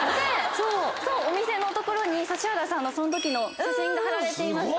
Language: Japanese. お店のところに指原さんのその時の写真が張られていました。